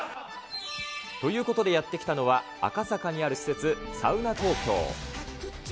ということでやって来たのは、赤坂にある施設、サウナ東京。